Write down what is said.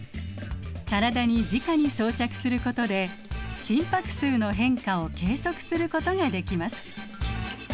体にじかに装着することで心拍数の変化を計測することができます。